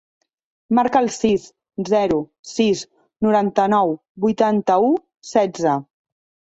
Marca el sis, zero, sis, noranta-nou, vuitanta-u, setze.